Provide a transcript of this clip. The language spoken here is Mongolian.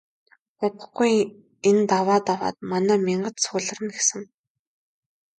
Удахгүй энэ даваа даваад манай мянгат цугларна гэсэн.